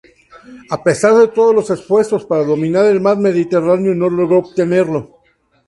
A pesar de todos los esfuerzos para dominar el mar Mediterráneo no logro obtenerlo.